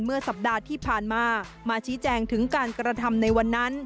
เมื่อสัปดาห์ที่ผ่านมามาชี้แจงถึงการกระทำในวันนั้น